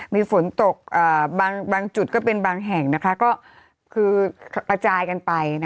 มีฝนตกบางจุดก็เป็นบางแห่งก็คือกระจายกันไป